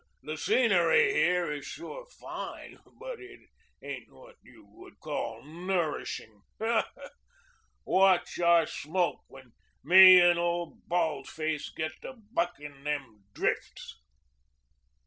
The scenery here is sure fine, but it ain't what you would call nourishing. Huh! Watch our smoke when me and old Baldface git to bucking them drifts."